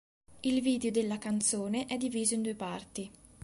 Il video della canzone è diviso in due parti.